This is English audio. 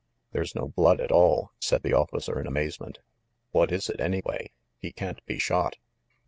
"There's no blood at all !" said the officer in amaze ment. "What is it, anyway? He can't be shot!"